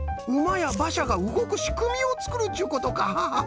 やばしゃがうごくしくみをつくるっちゅうことか！